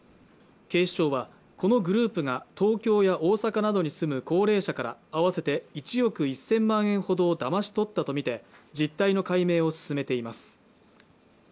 警視庁はこのグループが東京や大阪などに住む高齢者から合わせて１億１０００万円ほどをだまし取ったと見て実態の解明を進めています